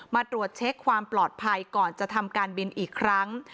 มาตรวจเช็คความปลอดภัยก่อนจะทำการบินอีกครั้ง